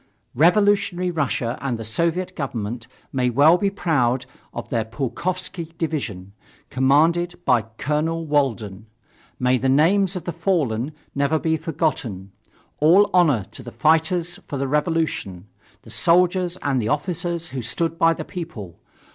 "Revolutionary Russia and the Soviet Government may well be proud of their Pulkovsky division, commanded by Colonel Walden. May the names of the fallen never be forgotten. All honor to the fighters for the revolution the soldiers and the officers who stood by the People!